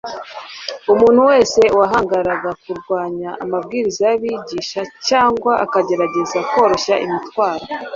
Umuntu wese wahangaraga kurwanya amabwiriza y’abigisha cyangwa akagerageza koroshya imitwaro